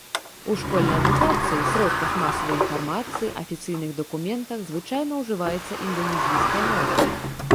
У школьнай адукацыі, сродках масавай інфармацыі, афіцыйных дакументах звычайна ўжываецца інданезійская мова.